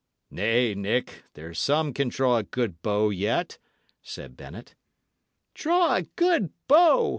"Nay, Nick, there's some can draw a good bow yet," said Bennet. "Draw a good bow!"